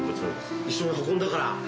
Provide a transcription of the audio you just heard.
一緒に運んだから。